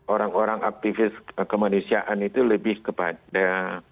orang orang aktivis kemanusiaan itu lebih kepada